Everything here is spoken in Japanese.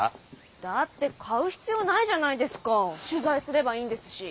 だって買う必要ないじゃないですか取材すればいいんですし。